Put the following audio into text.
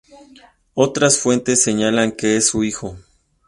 Otras fuentes señalan que es su hijo.